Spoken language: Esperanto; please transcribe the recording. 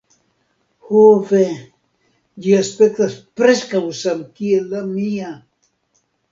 Ho, ve. Ĝi aspektas preskaŭ samkiel la mia!